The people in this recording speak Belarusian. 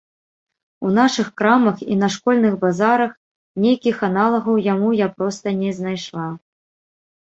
У нашых крамах і на школьных базарах нейкіх аналагаў яму я проста не знайшла.